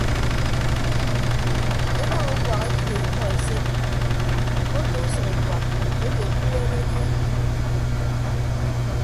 Enañ ukuak edido ikọ esed mmoto usʌñ ukuak ete ke uweene anie.